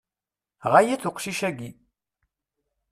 Ɣaya-t uqcic-agi.